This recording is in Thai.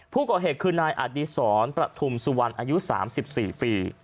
ผู้ก่อเหตุคือนายอดีศรประทุมสุวรรณอายุ๓๔ปี